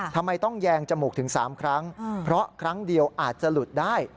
ทำไมต้องแยงจมูกถึง๓ครั้งเพราะครั้งเดียวอาจจะหลุดได้